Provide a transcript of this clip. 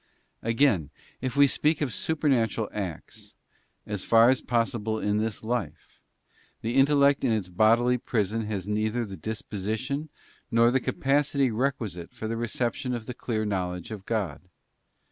Again, if we speak of supernatural acts—as far as possible in this life—the intellect in its bodily prison has neither the disposition nor the capacity requisite for the reception of the clear knowledge of God.